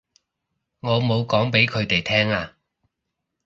我冇講畀佢哋聽啊